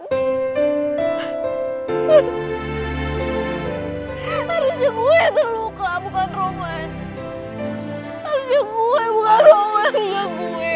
harusnya gue yang terluka bukan roman harusnya gue bukan roman bukan gue